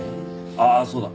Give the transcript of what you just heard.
ああそうだ。